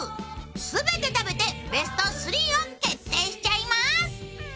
全て食べてベスト３を決定しちゃいます。